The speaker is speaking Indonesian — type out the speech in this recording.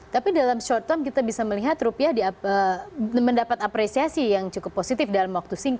tapi dalam short term kita bisa melihat rupiah mendapat apresiasi yang cukup positif dalam waktu singkat